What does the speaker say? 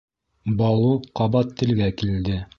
— Балу ҡабат телгә килде.